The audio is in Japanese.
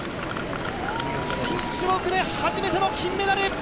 新種目で初めての金メダル。